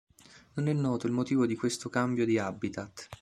Non è noto il motivo di questo cambio di habitat.